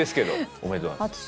おめでとうございます。